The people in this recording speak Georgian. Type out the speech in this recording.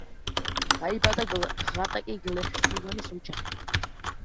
დაიბადა ღატაკი გლეხის, ივანეს ოჯახში.